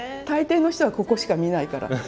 大抵の人はここしか見ないから。